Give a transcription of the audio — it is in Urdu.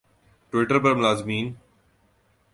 ٹوئٹر پر ملازمین